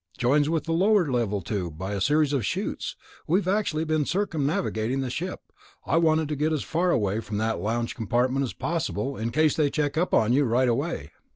"Joins with the lower level tube by a series of chutes. We've actually been circumnavigating the ship ... I wanted to get as far away from that lounge compartment as possible, in case they check up on you right away."